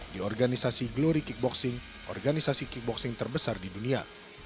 di organisasi glory kickboxing organisasi kickboxing terbesar di dunia